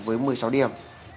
với một mươi sáu điểm